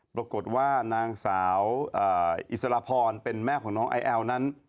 ปรากฏว่านางสาวอิสรพรเป็นแม่ของน้องไอแอลนั้น